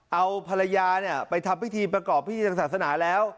เอาภรรยาไปทำพิธีประกอบพิธีทางศาสนาแล้ว